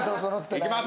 「いきます。